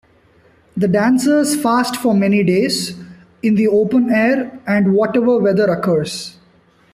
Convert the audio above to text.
The dancers fast for many days, in the open air and whatever weather occurs.